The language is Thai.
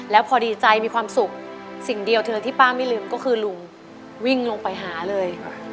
แล้วพอดีใจมีความสุขสิ่งเดียวเธอที่ป้าไม่ลืมก็คือลุงวิ่งลงไปหาเลย